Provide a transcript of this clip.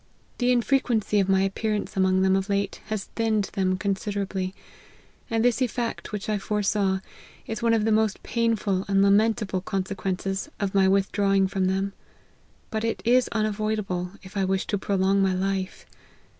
The infrequency of my appearance among them of late has thinned them considerably ; and this effect, which I foresaw, is one of the most painful and lamentable consequences of my with drawing from them ; but it is unavoidable, if I wish to prolong my life.